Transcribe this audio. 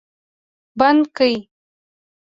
بند کړ